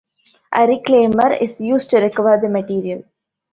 A reclaimer is used to recover the material.